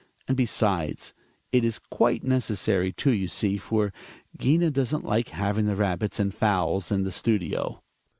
And besides, it is quite neces sary, too, you see, for Gina doesn't like having the rabbits and fowls in the studio.